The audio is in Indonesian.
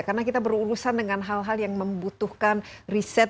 karena kita berurusan dengan hal hal yang membutuhkan riset